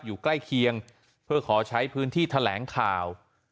ใกล้เคียงเพื่อขอใช้พื้นที่แถลงข่าว